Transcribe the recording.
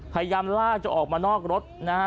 พยายามลากจะออกมานอกรถนะฮะ